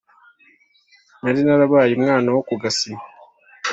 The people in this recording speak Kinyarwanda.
nari narabaye umwana wo ku gasima